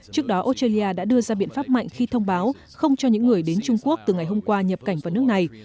trước đó australia đã đưa ra biện pháp mạnh khi thông báo không cho những người đến trung quốc từ ngày hôm qua nhập cảnh vào nước này